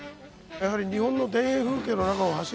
やはり日本の田園風景の中を走るね